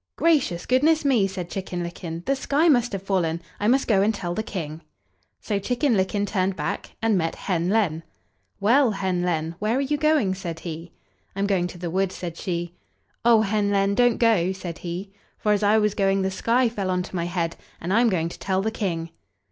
"Gracious goodness me!" said Chicken licken, "the sky must have fallen; I must go and tell the King." So Chicken licken turned back, and met Hen len. "Well, Hen len, where are you going?" said he. "I'm going to the wood," said she. "Oh, Hen len, don't go!" said he, "for as I was going the sky fell on to my head, and I'm going to tell the King."